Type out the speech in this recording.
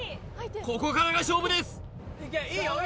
ここからが勝負です